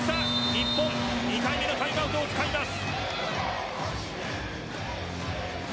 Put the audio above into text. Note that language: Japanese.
日本２回目のタイムアウトを使います。